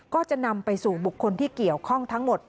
ก็จะนำไปสู่บุคคลที่เกี่ยวข้องทั้งหมด